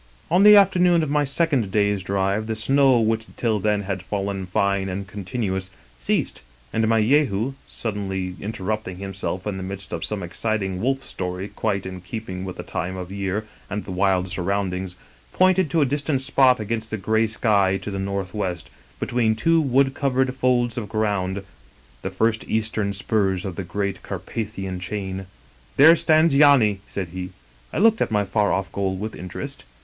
" On the afternoon of my second day's drive, the snow, which till then had fallen fine and continuous, ceased, and my Jehu, suddenly interrupting himself in the midst of some exciting wolf story quite in keeping with the time of year and the wild surroundings, pointed to a distant spot 117 English Mystery Stories against the gray sky to the northwest, between two wood covered folds of ground — the first eastern spurs of the great Carpathian chain. "' There stands Yany/ said he. I looked at my far off goal with interest.